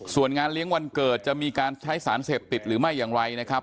ส่วนงานเลี้ยงวันเกิดจะมีการใช้สารเสพติดหรือไม่อย่างไรนะครับ